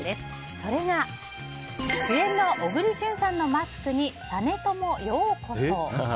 それが、主演の小栗旬さんのマスクに「実朝ようこそ」。